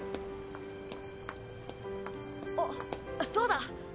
あっそうだ。